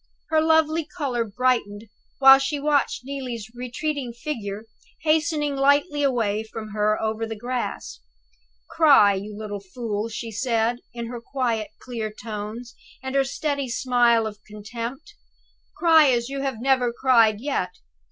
Her lovely color brightened while she watched Neelie's retreating figure hastening lightly away from her over the grass. "Cry, you little fool!" she said, with her quiet, clear tones, and her steady smile of contempt. "Cry as you have never cried yet!